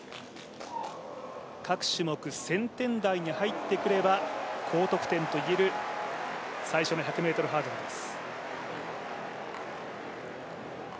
各種目１０００点台に入ってくれば高得点と言える、最初の１００ｍハードルです。